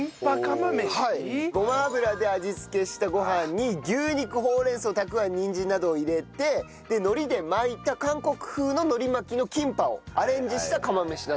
ごま油で味付けしたご飯に牛肉ほうれん草たくあんにんじんなどを入れてで海苔で巻いた韓国風の海苔巻きの「キンパ」をアレンジした釜飯なんですけど。